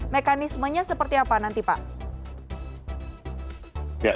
mekanismenya seperti apa nanti pak